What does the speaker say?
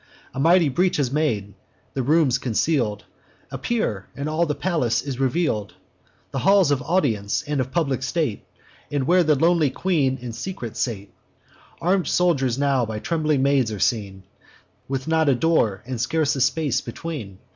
A mighty breach is made: the rooms conceal'd Appear, and all the palace is reveal'd; The halls of audience, and of public state, And where the lonely queen in secret sate. Arm'd soldiers now by trembling maids are seen, With not a door, and scarce a space, between.